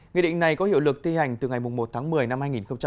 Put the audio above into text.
nghị định này có hiệu lực thi hành từ ngày một tháng một mươi năm hai nghìn hai mươi